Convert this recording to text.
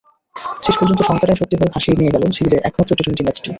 শেষ পর্যন্ত শঙ্কাটাই সত্যি হয়ে ভাসিয়ে নিয়ে গেল সিরিজের একমাত্র টি-টোয়েন্টি ম্যাচটি।